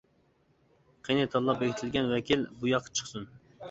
قېنى، تاللاپ بېكىتىلگەن ۋەكىل بۇ ياققا چىقسۇن!